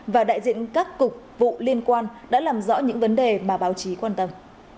và đại diện các cục vụ liên quan đã làm rõ những vấn đề mà báo chí quan tâm